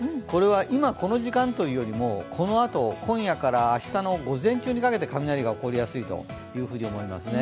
今この時間というよりもこのあと、今夜から明日の午前中にかけて雷が起こりやすいと思いますね。